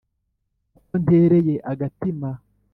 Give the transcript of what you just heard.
Uko ntereye agatima